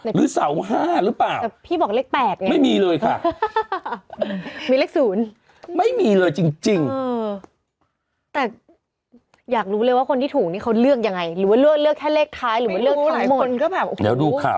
หรือเสาห้าหรือเปล่า